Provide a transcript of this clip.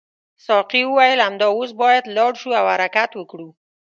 ساقي وویل همدا اوس باید لاړ شو او حرکت وکړو.